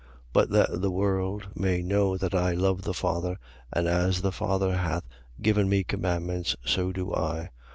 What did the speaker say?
14:31. But that the world may know that I love the Father: and as the Father hath given me commandments, so do I.